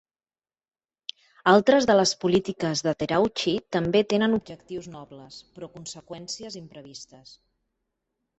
Altres de les polítiques de Terauchi també tenien objectius nobles, però conseqüències imprevistes.